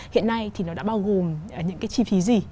hiện nay thì nó đã bao gồm những cái chi phí gì